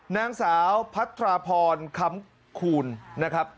นางสาวพัทรพรคำคูณนะครับ